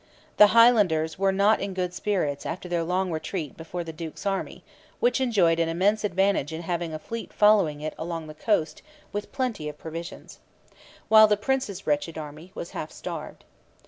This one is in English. The Highlanders were not in good spirits after their long retreat before the duke's army, which enjoyed an immense advantage in having a fleet following it along the coast with plenty of provisions, while the prince's wretched army was half starved.